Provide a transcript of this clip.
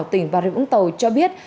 tỉnh bà rịnh úng tàu cho biết